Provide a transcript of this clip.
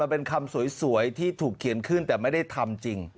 เป็นคำสวยที่ถูกเขียนขึ้นแต่ไม่ได้ทำจริง